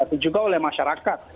tapi juga oleh masyarakat